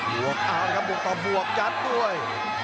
บวกอ้าวครับบวกต่อบวกจัดด้วย